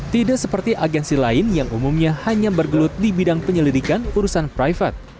tidak seperti agensi lain yang umumnya hanya bergelut di bidang penyelidikan urusan private